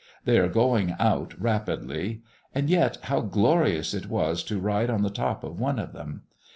They are going out rapidly. And yet, how glorious it was to ride on the top of one of them!